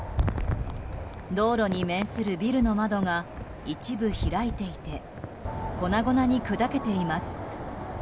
道路に面するビルの窓が一部、開いていて粉々に砕けています。